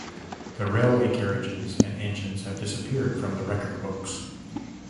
The railway carriages and engines have disappeared from the record books.